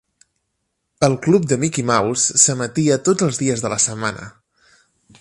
El "Club de Mickey Mouse" s'emetia tots els dies de la setmana.